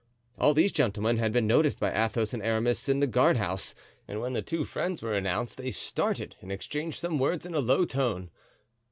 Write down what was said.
All these gentlemen had been noticed by Athos and Aramis in the guardhouse, and when the two friends were announced they started and exchanged some words in a low tone.